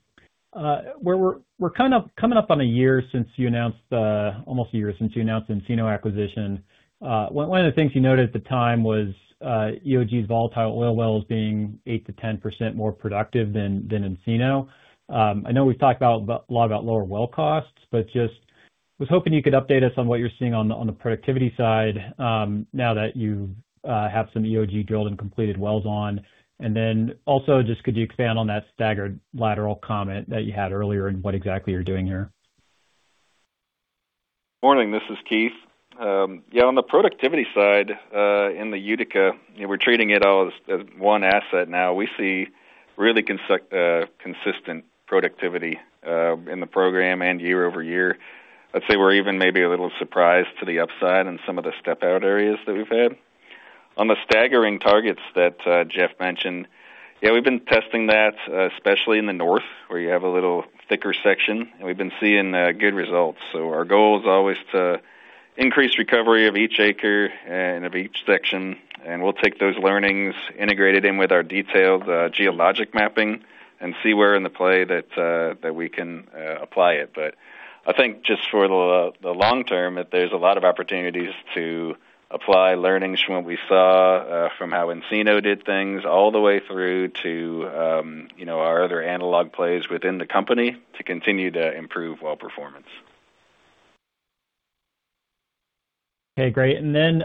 We're kind of coming up on a year since you announced, almost a year since you announced the Encino acquisition. One of the things you noted at the time was EOG's volatile oil wells being 8%-10% more productive than Encino. I know we've talked about lower well costs, but just was hoping you could update us on what you're seeing on the productivity side, now that you've have some EOG drilled and completed wells on. Then also, just could you expand on that staggered lateral comment that you had earlier and what exactly you're doing here? Morning, this is Keith. Yeah, on the productivity side, in the Utica, you know, we're treating it all as one asset now. We see really consistent productivity in the program and year-over-year. I'd say we're even maybe a little surprised to the upside in some of the step-out areas that we've had. On the staggering targets that Jeff mentioned, yeah, we've been testing that, especially in the north, where you have a little thicker section, we've been seeing good results. Our goal is always to increase recovery of each acre and of each section, we'll take those learnings, integrate it in with our detailed geologic mapping and see where in the play that we can apply it. I think just for the long term, there's a lot of opportunities to apply learnings from what we saw, from how Encino did things, all the way through to, you know, our other analog plays within the company to continue to improve well performance. Okay, great. Then,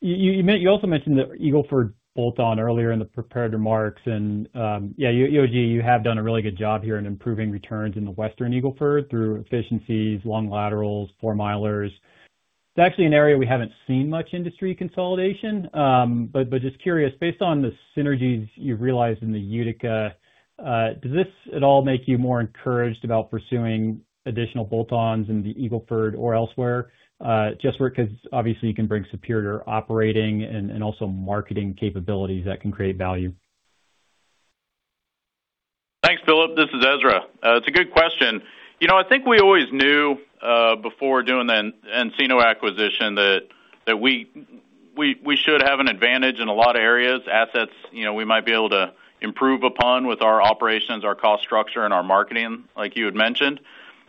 you also mentioned the Eagle Ford bolt-on earlier in the prepared remarks. Yeah, EOG, you have done a really good job here in improving returns in the western Eagle Ford through efficiencies, long laterals, 4-milers. It's actually an area we haven't seen much industry consolidation. Just curious, based on the synergies you've realized in the Utica, does this at all make you more encouraged about pursuing additional bolt-ons in the Eagle Ford or elsewhere? Just where it could-- obviously, you can bring superior operating and also marketing capabilities that can create value. Thanks, Phillip. This is Ezra. It's a good question. You know, I think we always knew before doing the Encino acquisition that we should have an advantage in a lot of areas. Assets, you know, we might be able to improve upon with our operations, our cost structure, and our marketing, like you had mentioned.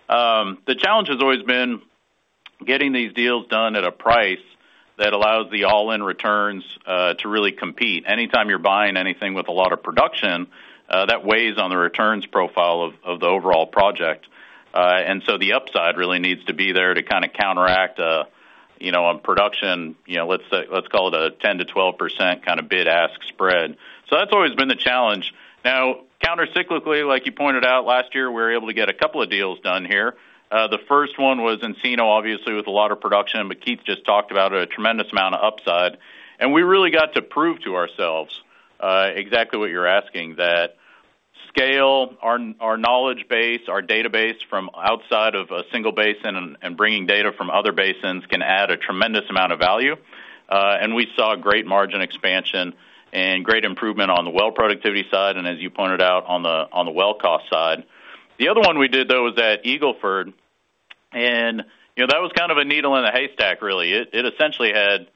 The challenge has always been getting these deals done at a price that allows the all-in returns to really compete. Anytime you're buying anything with a lot of production, that weighs on the returns profile of the overall project. The upside really needs to be there to kinda counteract, you know, on production, you know, let's say, let's call it a 10%-12% kinda bid-ask spread. That's always been the challenge. Counter-cyclically, like you pointed out last year, we were able to get a couple of deals done here. The first one was Encino, obviously, with a lot of production, but Keith just talked about a tremendous amount of upside. We really got to prove to ourselves exactly what you're asking. That scale our knowledge base, our database from outside of a single basin and bringing data from other basins can add a tremendous amount of value. We saw great margin expansion and great improvement on the well productivity side, and as you pointed out on the well cost side. The other one we did though was at Eagle Ford, and, you know, that was kind of a needle in a haystack, really. It essentially had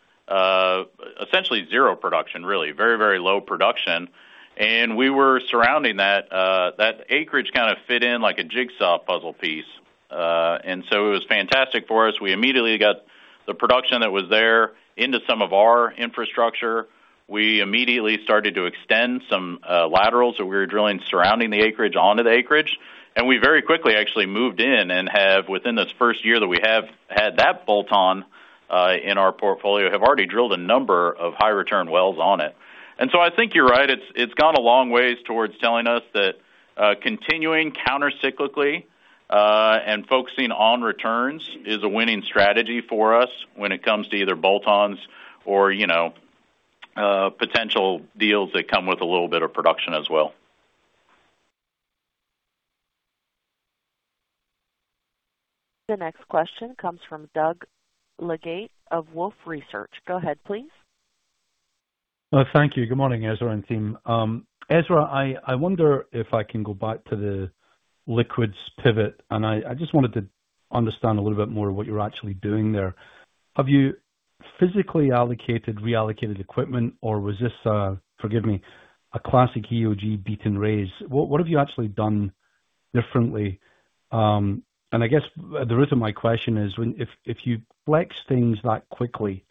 essentially zero production, really. Very, very low production. And we were surrounding that. That acreage kinda fit in like a jigsaw puzzle piece. It was fantastic for us. We immediately got the production that was there into some of our infrastructure. We immediately started to extend some laterals that we were drilling surrounding the acreage onto the acreage. We very quickly actually moved in and have within this first year that we have had that bolt-on in our portfolio, have already drilled a number of high return wells on it. I think you're right. It's gone a long ways towards telling us that continuing counter-cyclically and focusing on returns is a winning strategy for us when it comes to either bolt-ons or, you know, potential deals that come with a little bit of production as well. The next question comes from Doug Leggate of Wolfe Research. Go ahead, please. Thank you. Good morning, Ezra and team. Ezra, I wonder if I can go back to the liquids pivot, and I just wanted to understand a little bit more what you're actually doing there. Have you physically allocated reallocated equipment, or was this, forgive me, a classic EOG beat and raise? What, what have you actually done differently? I guess the root of my question is, if you flex things that quickly,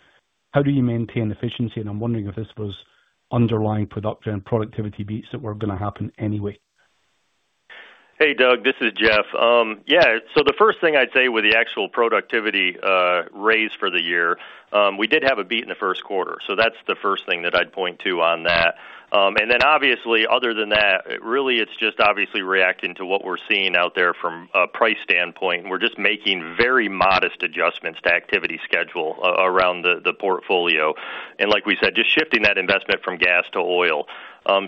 how do you maintain efficiency? I'm wondering if this was underlying production productivity beats that were gonna happen anyway. Hey, Doug, this is Jeff. Yeah. The first thing I'd say with the actual productivity raise for the year, we did have a beat in the first quarter, that's the first thing that I'd point to on that. Obviously other than that, really it's just obviously reacting to what we're seeing out there from a price standpoint. We're just making very modest adjustments to activity schedule around the portfolio. Like we said, just shifting that investment from gas to oil.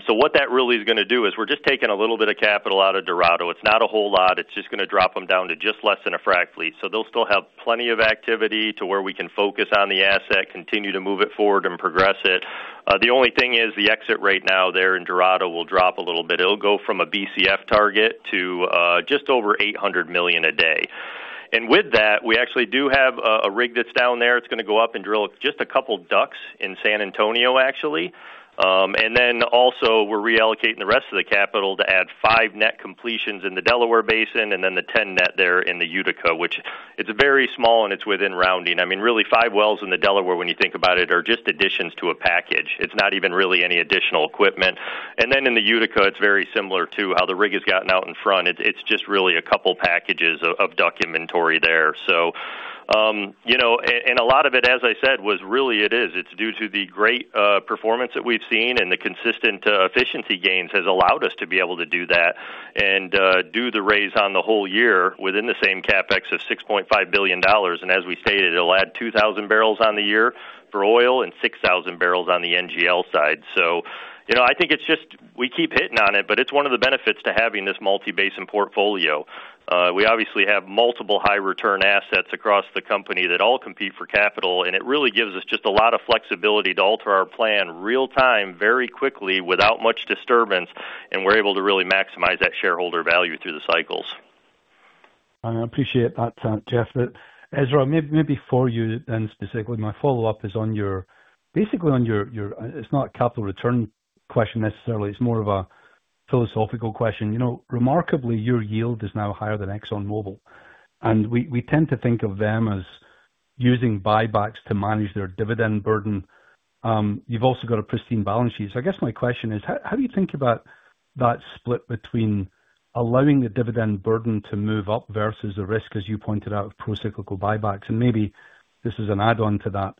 What that really is gonna do is we're just taking a little bit of capital out of Dorado. It's not a whole lot. It's just gonna drop them down to just less than a frac fleet. They'll still have plenty of activity to where we can focus on the asset, continue to move it forward and progress it. The only thing is the exit right now there in Dorado will drop a little bit. It'll go from a BCF target to just over 800 million a day. With that, we actually do have a rig that's down there. It's gonna go up and drill just couple DUCs in San Antonio, actually. Also, we're reallocating the rest of the capital to add five net completions in the Delaware Basin and then the 10 net there in the Utica, which is very small and it's within rounding. I mean, really five wells in the Delaware, when you think about it, are just additions to a package. It's not even really any additional equipment. Then in the Utica, it's very similar to how the rig has gotten out in front. It's just really a couple packages of DUC inventory there. You know, a lot of it, as I said, was really it's due to the great performance that we've seen and the consistent efficiency gains has allowed us to be able to do that and do the raise on the whole year within the same CapEx of $6.5 billion. As we stated, it'll add 2,000 bbl on the year for oil and 6,000 bbl on the NGL side. You know, I think it's just we keep hitting on it, but it's one of the benefits to having this multi-basin portfolio. We obviously have multiple high return assets across the company that all compete for capital. It really gives us just a lot of flexibility to alter our plan real-time very quickly without much disturbance. We're able to really maximize that shareholder value through the cycles. I appreciate that, Jeff. Ezra, maybe for you then specifically, my follow-up is basically on your. It's not a capital return question necessarily, it's more of a philosophical question. You know, remarkably, your yield is now higher than ExxonMobil, and we tend to think of them as using buybacks to manage their dividend burden. You've also got a pristine balance sheet. I guess my question is: How do you think about that split between allowing the dividend burden to move up versus the risk, as you pointed out, of pro-cyclical buybacks? Maybe this is an add-on to that.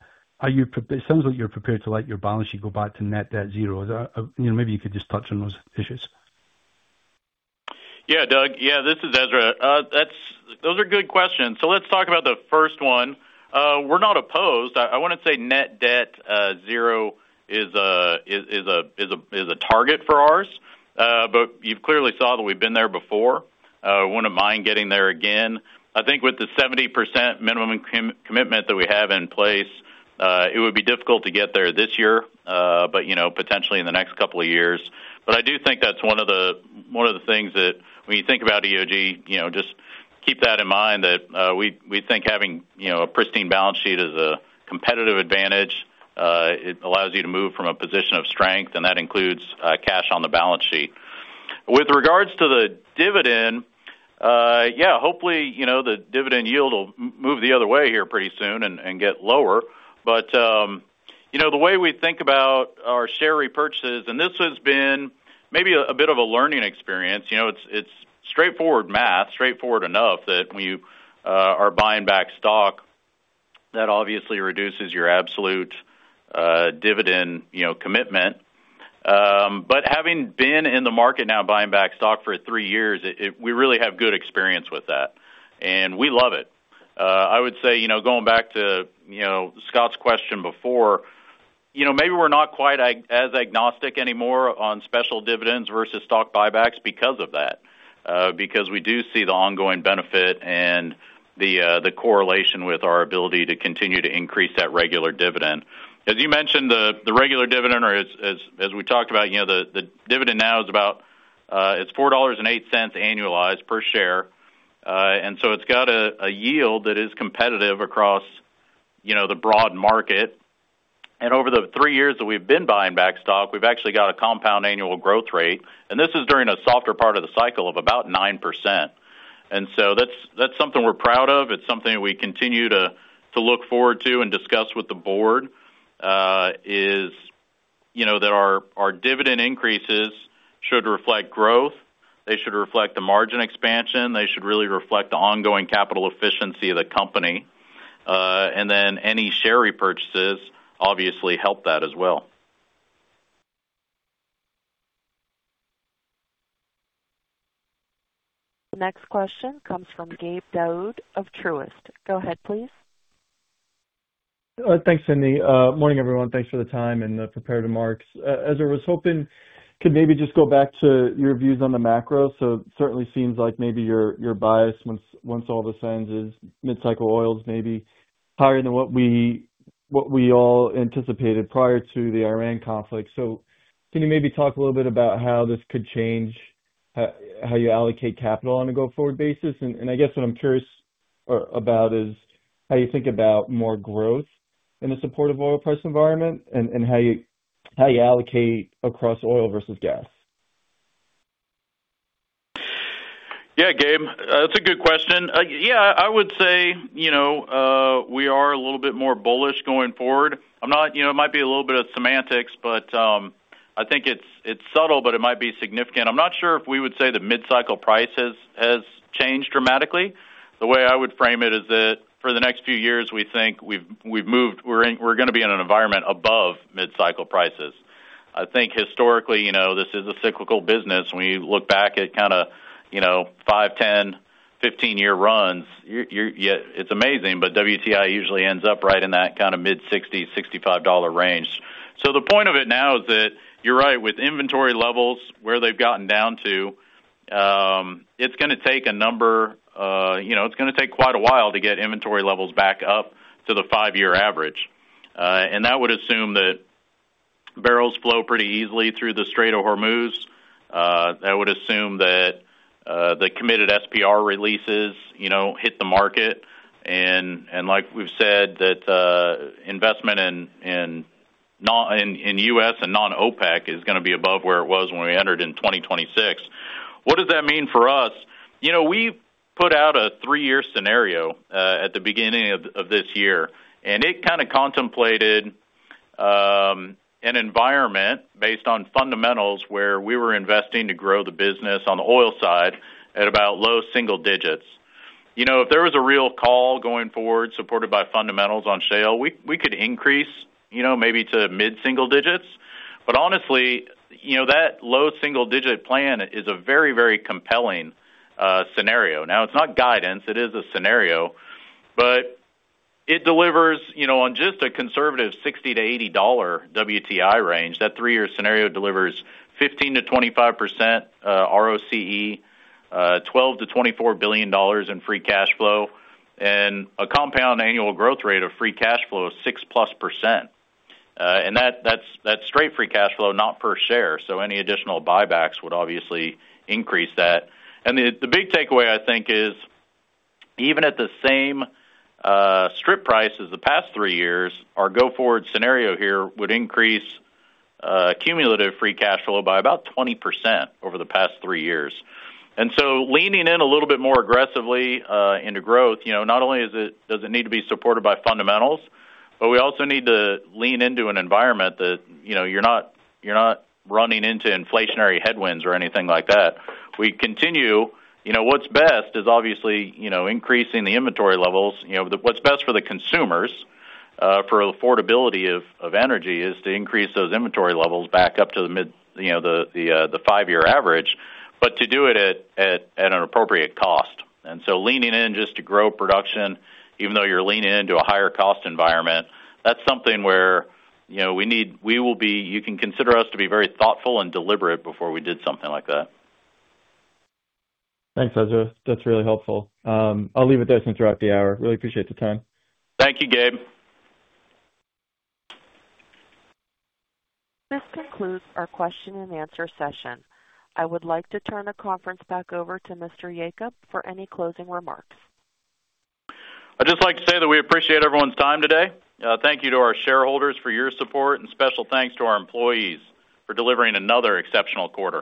It sounds like you're prepared to let your balance sheet go back to net debt zero. You know, maybe you could just touch on those issues. Doug. Yeah, this is Ezra. Those are good questions. Let's talk about the first one. We're not opposed. I wouldn't say net debt zero is a target for ours. You've clearly saw that we've been there before. Wouldn't mind getting there again. I think with the 70% minimum commitment that we have in place, it would be difficult to get there this year, you know, potentially in the next couple of years. I do think that's one of the things that when you think about EOG, you know. Keep that in mind that, we think having, you know, a pristine balance sheet is a competitive advantage. It allows you to move from a position of strength, that includes cash on the balance sheet. With regards to the dividend, hopefully, you know, the dividend yield will move the other way here pretty soon and get lower. You know, the way we think about our share repurchases, this has been maybe a bit of a learning experience, you know, it's straightforward math, straightforward enough that when you are buying back stock, that obviously reduces your absolute dividend, you know, commitment. Having been in the market now buying back stock for three years, we really have good experience with that, we love it. I would say, you know, going back to, you know, Scott's question before, you know, maybe we're not quite as agnostic anymore on special dividends versus stock buybacks because of that. Because we do see the ongoing benefit and the correlation with our ability to continue to increase that regular dividend. As you mentioned, the regular dividend or as we talked about, you know, the dividend now is about $4.08 annualized per share. It's got a yield that is competitive across, you know, the broad market. Over the three years that we've been buying back stock, we've actually got a compound annual growth rate, and this is during a softer part of the cycle of about 9%. That's something we're proud of. It's something we continue to look forward to and discuss with the board, is, you know, that our dividend increases should reflect growth, they should reflect the margin expansion, they should really reflect the ongoing capital efficiency of the company. Any share repurchases obviously help that as well. The next question comes from Gabe Daoud of Truist. Go ahead, please. Thanks, Cindy. Morning, everyone. Thanks for the time and the prepared remarks. Ezra, I was hoping could maybe just go back to your views on the macro. It certainly seems like maybe your bias once all this ends is mid-cycle oils may be higher than what we all anticipated prior to the Iran conflict. Can you maybe talk a little bit about how this could change how you allocate capital on a go-forward basis? I guess what I'm curious about is how you think about more growth in a supportive oil price environment and how you allocate across oil versus gas. Gabe. That's a good question. I would say, you know, we are a little bit more bullish going forward. You know, it might be a little bit of semantics, but I think it's subtle, but it might be significant. I'm not sure if we would say the mid-cycle price has changed dramatically. The way I would frame it is that for the next few years, we think we've moved, we're gonna be in an environment above mid-cycle prices. I think historically, you know, this is a cyclical business. When you look back at kind of, you know, five, 10, 15-year runs, you're, yeah, it's amazing, but WTI usually ends up right in that kind of mid-$60, $65 range. The point of it now is that you're right with inventory levels where they've gotten down to, it's going to take a number, you know, it's going to take quite a while to get inventory levels back up to the five year average. That would assume that barrels flow pretty easily through the Strait of Hormuz. That would assume that the committed SPR releases, you know, hit the market. Like we've said that investment in U.S. and non-OPEC is going to be above where it was when we entered in 2026. What does that mean for us? You know, we put out a three year scenario at the beginning of this year, and it kind of contemplated an environment based on fundamentals where we were investing to grow the business on the oil side at about low single digits. You know, if there was a real call going forward supported by fundamentals on shale, we could increase, you know, maybe to mid-single digits. Honestly, you know, that low single digit plan is a very, very compelling scenario. Now, it's not guidance, it is a scenario, but it delivers, you know, on just a conservative $60-$80 WTI range. That three year scenario delivers 15%-25% ROCE, $12 billion-$24 billion in free cash flow, and a compound annual growth rate of free cash flow of 6%+. That's straight free cash flow, not per share. Any additional buybacks would obviously increase that. The big takeaway, I think, is even at the same strip price as the past three years, our go-forward scenario here would increase cumulative free cash flow by about 20% over the past three years. Leaning in a little bit more aggressively into growth, you know, not only does it need to be supported by fundamentals, but we also need to lean into an environment that, you know, you're not running into inflationary headwinds or anything like that. You know, what's best is obviously, you know, increasing the inventory levels. You know, what's best for the consumers, for affordability of energy is to increase those inventory levels back up to the mid, you know, the five-year average, but to do it at an appropriate cost. Leaning in just to grow production, even though you're leaning into a higher cost environment, that's something where, you know, you can consider us to be very thoughtful and deliberate before we did something like that. Thanks, Ezra. That's really helpful. I'll leave it there since we're at the hour. Really appreciate the time. Thank you, Gabe. This concludes our question and answer session. I would like to turn the conference back over to Mr. Yacob for any closing remarks. I'd just like to say that we appreciate everyone's time today. Thank you to our shareholders for your support, and special thanks to our employees for delivering another exceptional quarter.